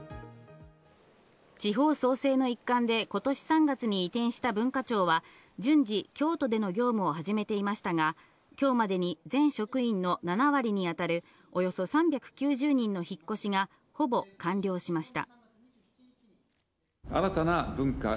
地方創生の一環で今年３月に移転した文化庁は、順次、京都での業務を始めていましたが、今日までに全職員の７割にあたる、およそ３９０人の引越しがほぼ完了しました。